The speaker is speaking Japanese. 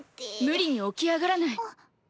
無理に起き上がらない。あっ。